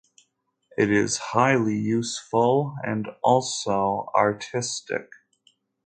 It is highly useful and also artistic.